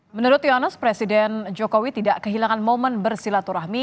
menurut yonas presiden jokowi tidak kehilangan momen bersilaturahmi